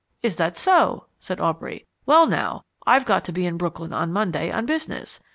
"Is that so?" said Aubrey. "Well, now, I've got to be in Brooklyn on Monday, on business.